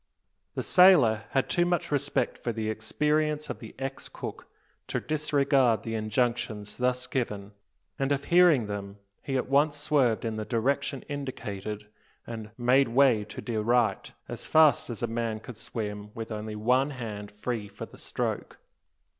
The sailor had too much respect for the experience of the ex cook to disregard the injunctions thus given; and of hearing them, he at once swerved in the direction indicated, and "made way to de right" as fast as a man could swim with only one hand free for the stroke.